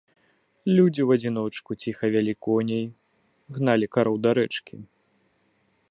Людзі ў адзіночку ціха вялі коней, гналі кароў да рэчкі.